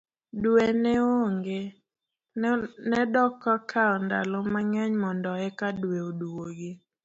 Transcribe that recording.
dwe ne onge, nedokawo ndalo mang'eny mondo eka dwe odwogi